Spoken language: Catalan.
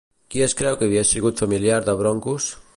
Qui es creu que havia sigut familiar de Brancos?